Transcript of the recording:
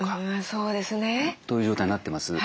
そうですね。という状態になってます。